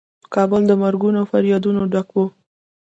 کابل له مرګونو او فریادونو ډک و.